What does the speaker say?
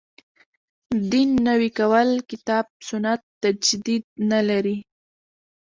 دین نوی کول کتاب سنت تجدید نه لري.